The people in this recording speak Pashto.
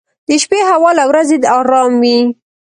• د شپې هوا له ورځې ارام وي.